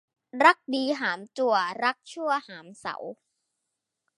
รักดีหามจั่วรักชั่วหามเสา